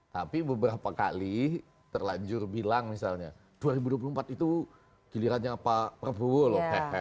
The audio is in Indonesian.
tapi beberapa kali terlanjur bilang misalnya dua ribu dua puluh empat itu gilirannya pak prabowo loh